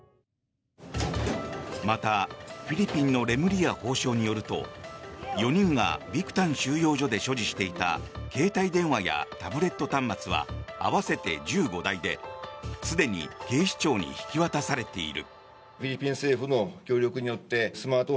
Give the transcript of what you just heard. また、フィリピンのレムリヤ法相によると４人がビクタン収容所で所持していた携帯電話やタブレット端末は合わせて１５台ですでに警視庁に引き渡されている。